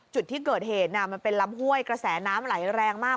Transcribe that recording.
จุดที่เกิดเหตุมันเป็นลำห้วยกระแสน้ำไหลแรงมาก